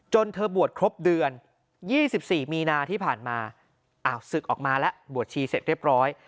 เธอบวชครบเดือน๒๔มีนาที่ผ่านมาอ้าวศึกออกมาแล้วบวชชีเสร็จเรียบร้อย